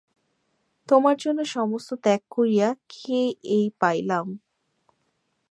তোমার জন্য সমস্ত ত্যাগ করিয়া কি এই পাইলাম।